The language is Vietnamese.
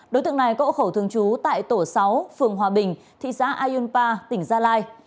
đối tượng này có hộ khẩu thường trú tại tổ sáu phường hòa bình thị xã ayunpa tỉnh gia lai